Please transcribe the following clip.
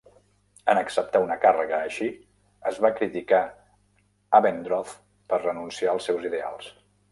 En acceptar una càrrega així, es va criticar Abendroth per renunciar els seus ideals.